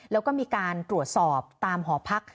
แล้วก็มีการตรวจสอบตามหอพัก